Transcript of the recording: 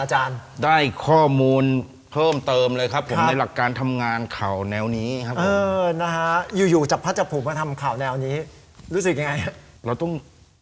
ให้มันแตกให้มันกระจ่าง